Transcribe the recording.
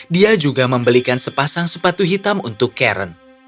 dia juga membelikan sepasang sepatu hitam untuk karen